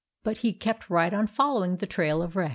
But he kept right on following the trail of Rex.